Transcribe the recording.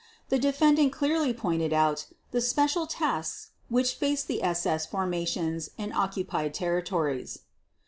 The defendant clearly pointed out the "special tasks" which faced the SS formations in occupied territories.